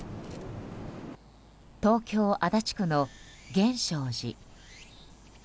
東京・足立区の源証寺。